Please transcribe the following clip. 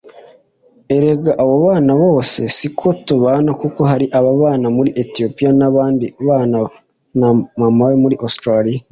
Erega abo bana bose siko tubana kuko hari ababa muri Ethiopia n’abandi babana na mama muri Australia